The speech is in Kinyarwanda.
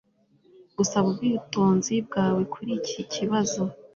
Gusaba ubwitonzi bwawe kuri iki kibazo